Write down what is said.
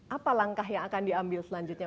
apa langkah yang akan diambil selanjutnya